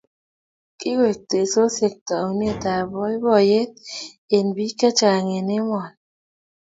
Kikoek teksosiet taunet ab boiboyet eng bik che chang ab emoni